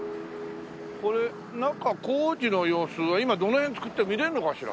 これ中工事の様子は今どの辺造ってる見られるのかしら？